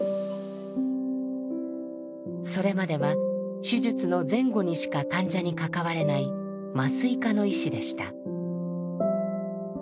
それまでは手術の前後にしか患者に関われない麻酔科の医師でした。